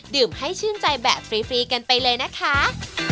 ให้ชื่นใจแบบฟรีกันไปเลยนะคะ